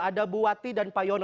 ada buati dan pak yono